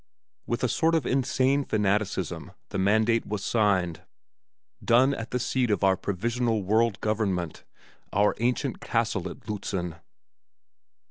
With a sort of insane fanaticism the mandate was signed: "Done at the seat of our provisional world government, our ancient castle at Lützen."